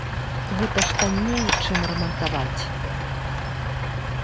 Гэта ж танней, чым рамантаваць.